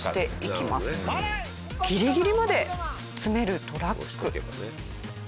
ギリギリまで詰めるトラック。